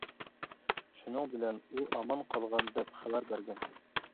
شۇنىڭ بىلەن ئۇ ئامان قالغان دەپ خەۋەر بەرگەن.